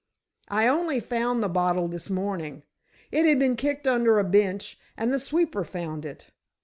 "I only found the bottle this morning. It had been kicked under a bench, and the sweeper found it.